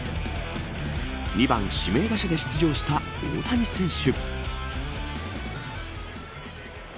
２番指名打者で出場した大谷選手。